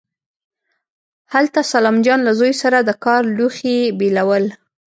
هلته سلام جان له زوی سره د کار لوښي بېلول.